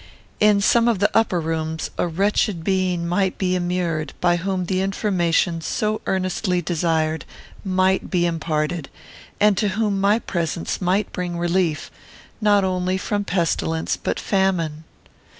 In some of the upper rooms a wretched being might be immured; by whom the information, so earnestly desired, might be imparted, and to whom my presence might bring relief, not only from pestilence, but famine.